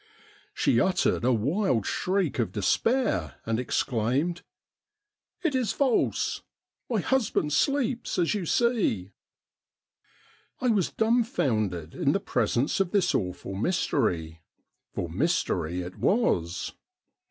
She uttered a wild shriek of despair and exclaimed :' It is false ! my husband sleeps, as you see.' I was dumfoundered in the presence of this awful mystery, for mystery it was.